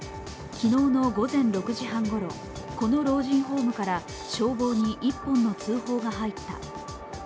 昨日の午前６時半ごろ、この老人ホームから消防に一本の通報が入った。